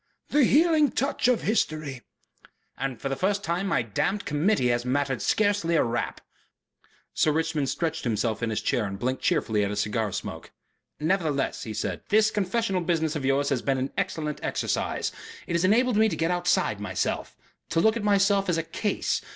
"The healing touch of history." "And for the first time my damned Committee has mattered scarcely a rap." Sir Richmond stretched himself in his chair and blinked cheerfully at his cigar smoke. "Nevertheless," he said, "this confessional business of yours has been an excellent exercise. It has enabled me to get outside myself, to look at myself as a Case.